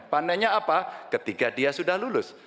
panennya apa ketika dia sudah lulus